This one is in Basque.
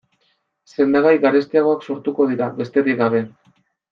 Sendagai garestiagoak sortuko dira, besterik gabe.